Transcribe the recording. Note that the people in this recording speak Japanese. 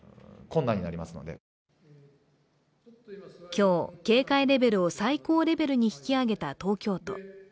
今日、警戒レベルを最高レベルに引き上げた東京都。